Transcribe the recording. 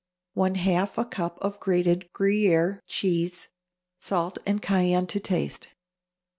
1/2 a cup of grated Gruyère cheese. Salt and cayenne to taste.